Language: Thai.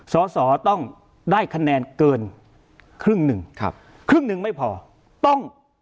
สอสอต้องได้คะแนนเกินครึ่งหนึ่งครับครึ่งหนึ่งไม่พอต้อง